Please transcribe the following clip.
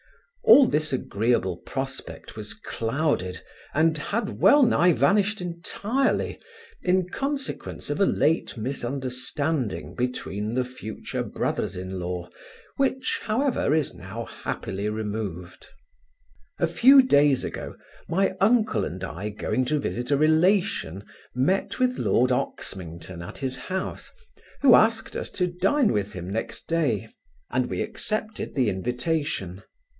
All this agreeable prospect was clouded, and had well nigh vanished entirely, in consequence of a late misunderstanding between the future brothers in law, which, however, is now happily removed. A few days ago, my uncle and I, going to visit a relation, met with lord Oxmington at his house, who asked us to dine with him, next day, and we accepted the invitation.